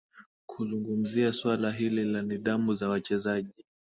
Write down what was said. kuzungumzia suala hili la nidhamu za wachezaji